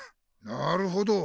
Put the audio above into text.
なるほど。